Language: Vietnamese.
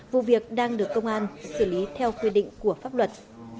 vụ việc đang được công an xử lý theo quy định của pháp luật